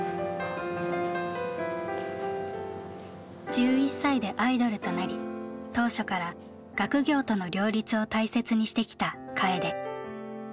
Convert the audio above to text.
１１歳でアイドルとなり当初から学業との両立を大切にしてきたＫａｅｄｅ。